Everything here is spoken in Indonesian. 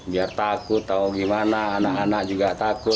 biar takut atau gimana anak anak juga takut